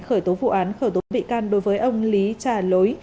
khởi tố vụ án khởi tố bị can đối với ông lý trà lối